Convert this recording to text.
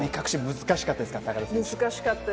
難しかったです。